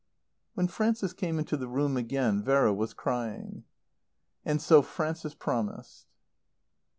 When Frances came into the room again Vera was crying. And so Frances promised.